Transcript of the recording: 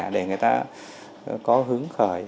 để người ta có hướng khởi